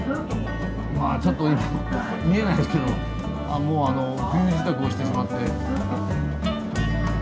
まあちょっと見えないですけどもう冬支度をしてしまって。